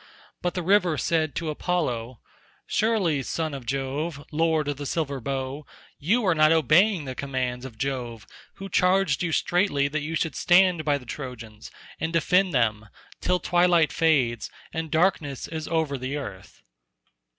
But the river said to Apollo, "Surely, son of Jove, lord of the silver bow, you are not obeying the commands of Jove who charged you straitly that you should stand by the Trojans and defend them, till twilight fades, and darkness is over the earth."